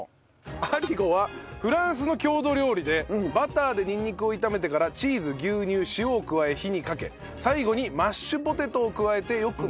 アリゴはフランスの郷土料理でバターでにんにくを炒めてからチーズ牛乳塩を加え火にかけ最後にマッシュポテトを加えてよく混ぜ合わせた料理と。